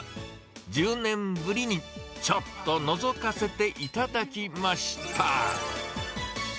１０年ぶりに、ちょっとのぞかせていただきました。